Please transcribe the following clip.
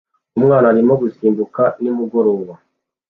Umwana arimo gusimbuka nimugoroba